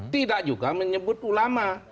tidak juga menyebut ulama